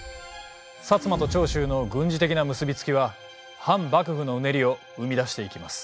摩と長州の軍事的な結び付きは反幕府のうねりを生み出していきます。